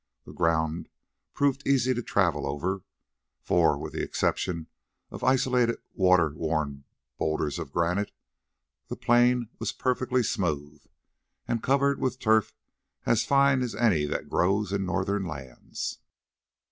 The ground proved easy to travel over, for, with the exception of isolated water worn boulders of granite, the plain was perfectly smooth and covered with turf as fine as any that grows in northern lands.